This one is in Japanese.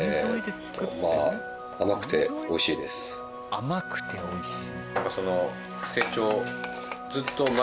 甘くて美味しい。